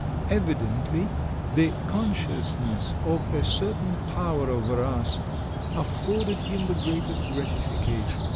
Evidently the consciousness of a certain power over us afforded him the greatest gratification.